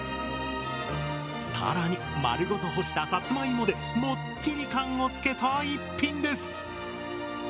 更に丸ごと干したさつまいもでもっちり感をつけた逸品です！